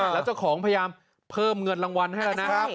แล้วเจ้าของพยายามเพิ่มเงินรางวัลให้แล้วนะ